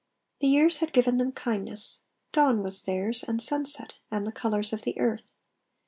The years had given them kindness. Dawn was theirs, And sunset, and the colours of the earth.